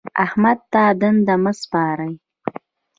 احمد ته دنده مه سپارئ.